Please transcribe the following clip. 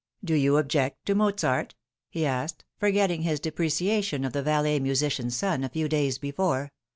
"Do you object to Mozart ?" he asked, forgetting his depre ciation of the valet musician's son a few days before.